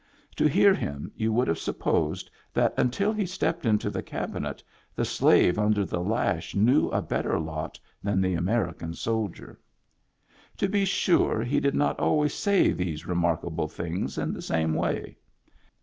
To hear him you would have supposed that until he stepped into the Cabinet the slave under the lash knew a better lot than the Ameri can soldier. To be sure, he did not always say these remarkable things in the same way.